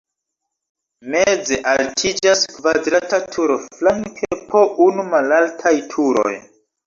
Meze altiĝas kvadrata turo, flanke po unu malaltaj turoj.